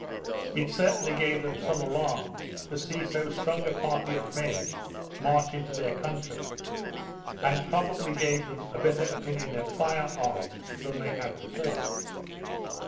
It certainly gave them some alarm to see so strong a party of men march into their country; and probably gave them a better opinion of fire arms than they had before.